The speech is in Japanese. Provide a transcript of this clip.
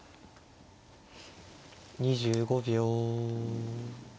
２５秒。